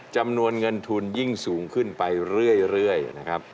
จำนวนเงินทุนยิ่งสูงขึ้นไปเรื่อยนะครับ